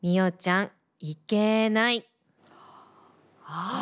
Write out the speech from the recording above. ああ！